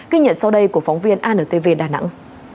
ghi nhận sau đây của phóng viên antv đà nẵng